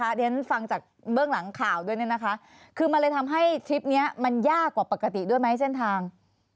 เดี๋ยวฉันฟังจากเบื้องหลังข่าวด้วยเนี่ยนะคะคือมันเลยทำให้ทริปนี้มันยากกว่าปกติด้วยไหมเส้นทาง